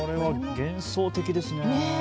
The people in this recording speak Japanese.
幻想的ですね。